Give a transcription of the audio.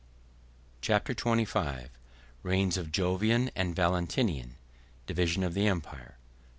p. 192.] Chapter XXV: Reigns Of Jovian And Valentinian, Division Of The Empire.